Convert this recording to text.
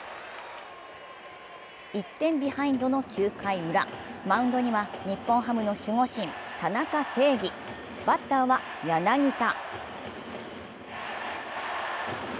１点ビハインドの９回ウラ、マウンドには、日本ハムの守護神田中正義バッターは柳田。